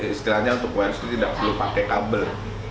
istilahnya untuk werez itu tidak perlu pakai kabel